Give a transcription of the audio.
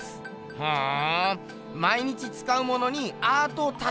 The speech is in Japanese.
ふん。